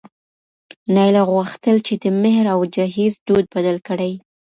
نایله غوښتل چې د مهر او جهیز دود بدل کړي.